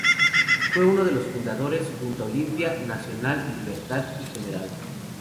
Fue uno de los fundadores -junto a Olimpia, Nacional, Libertad y Gral.